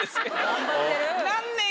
頑張ってる！